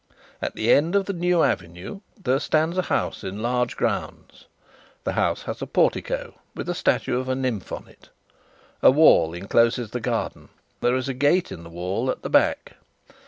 At the end of the New Avenue there stands a house in large grounds. The house has a portico, with a statue of a nymph on it. A wall encloses the garden; there is a gate in the wall at the back.